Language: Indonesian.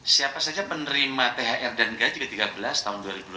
siapa saja penerima thr dan gaji ke tiga belas tahun dua ribu delapan belas